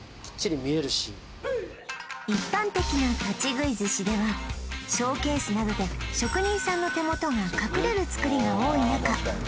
一般的な立ち食い寿司ではショーケースなどで職人さんの手元が隠れる造りが多い中